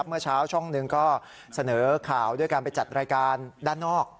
เมื่อเช้าช่องหนึ่งก็เสนอข่าวด้วยการไปจัดรายการด้านนอก